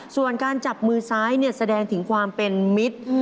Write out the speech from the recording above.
ส่วนการจับมือซ้ายแสดงถึงความเป็นมิตร